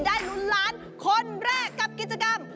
ลุ้นล้านคนแรกกับกิจกรรม